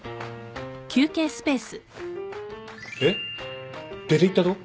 えっ？出ていったと？